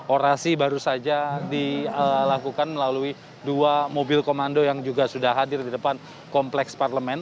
orasi baru saja dilakukan melalui dua mobil komando yang juga sudah hadir di depan kompleks parlemen